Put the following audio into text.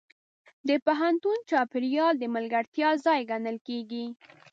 د پوهنتون چاپېریال د ملګرتیا ځای ګڼل کېږي.